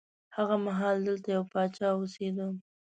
هغه مهال دلته یو پاچا اوسېده.